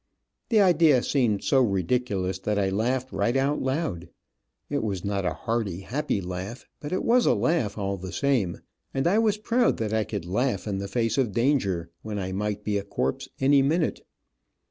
The idea seemed so ridiculous that I laughed right out loud. It was not a hearty, happy laugh, but it was a laugh all the same, and I was proud that I could laugh in the face of danger, when I might be a corpse any minute.